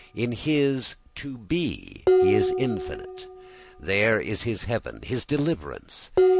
In his to be he is infinite, there is his heaven, his deliverance.